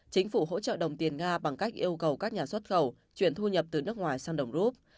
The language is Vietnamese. chính phủ hỗ trợ đồng tiền nga bằng cách yêu cầu các nhà xuất khẩu chuyển thu nhập từ nước ngoài sang đồng rút